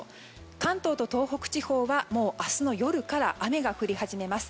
関東と東北地方はもう明日の夜から雨が降り始めます。